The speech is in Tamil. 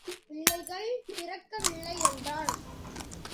பிள்ளைகள் பிறக்கவில்லை என்றான்.